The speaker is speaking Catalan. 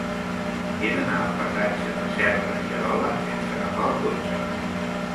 He d'anar al passatge de Serra i Arola sense agafar el cotxe.